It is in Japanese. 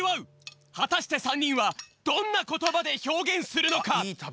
はたして３にんはどんなことばでひょうげんするのか？